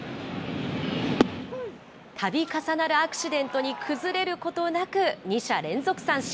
たび重なるアクシデントに崩れることなく、２者連続三振。